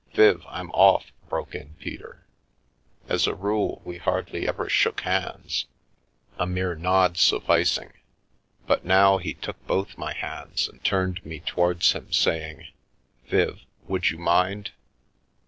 " Viv, I'm off," broke in Peter. As a rule we hardly ever shook hands, a mere nod sufficing, but now he took both my hands and turned me towards him, saying: "Viv — would you mind